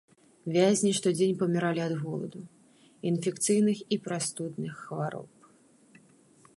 Вязні штодзень паміралі ад голаду, інфекцыйных і прастудных хвароб.